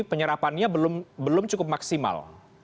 penyerapannya belum cukup maksimal